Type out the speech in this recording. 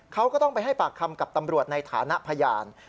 เขาก็ต้องไปให้ปากคำกับตำรวจในฐานะพยาน